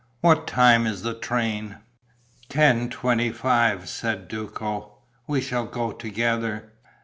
What time is the train?" "Ten twenty five," said Duco. "We shall go together."